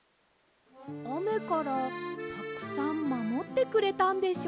あめからたくさんまもってくれたんでしょうか？